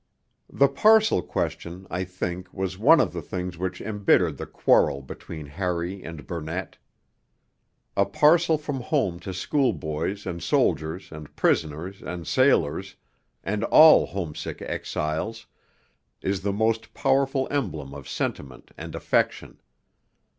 The parcel question, I think, was one of the things which embittered the quarrel between Harry and Burnett. A parcel from home to schoolboys and soldiers and prisoners and sailors, and all homesick exiles, is the most powerful emblem of sentiment and affection.